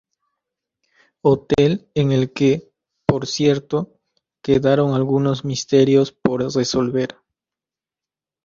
Hotel en el que, por cierto, quedaron algunos misterios por resolver.